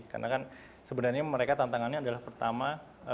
karena kan sebenarnya mereka tantangannya adalah pertama